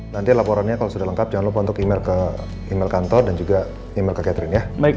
nanti laporannya kalau sudah lengkap jangan lupa untuk email ke email kantor dan juga email ke catering ya